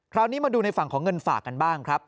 คราวนี้มาดูในฝั่งของเงินฝากกันบ้างครับ